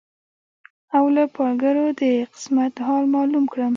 او له پالګرو د قسمت حال معلوم کړم